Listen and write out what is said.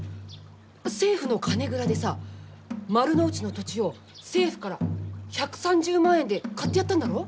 政府の金蔵でさ丸の内の土地を政府から１３０万円で買ってやったんだろう？